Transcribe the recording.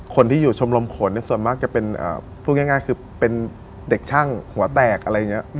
คนที่อยู่ชมรมขนส่วนมากจะเป็นพูดง่ายคือเป็นเด็กช่างหัวแตกอะไรอย่างนี้